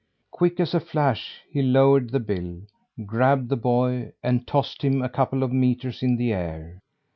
Quick as a flash, he lowered the bill, grabbed the boy, and tossed him a couple of metres in the air.